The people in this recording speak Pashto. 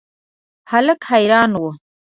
هلک حیران و.